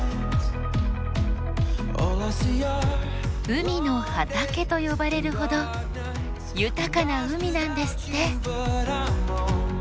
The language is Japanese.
海の畑と呼ばれるほど豊かな海なんですって。